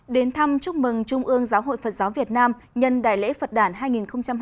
đến thăm chúc mừng trung ương giáo hội phật giáo việt nam nhân đại lễ phật đảng hai nghìn hai mươi